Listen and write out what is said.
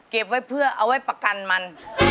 เก็บไว้เพื่อเอาไว้ประกันมัน